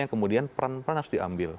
yang kemudian peran peran harus diambil